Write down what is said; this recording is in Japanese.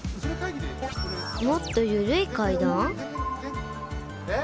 もっとゆるい階段？